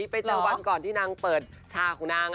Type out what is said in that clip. ไปเจอวันก่อนที่นางเปิดชาของนาง